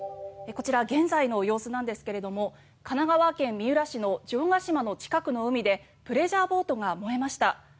こちら現在の様子なんですけれども神奈川県三浦市の城ヶ島の近くの海でプレジャーボートが燃えました。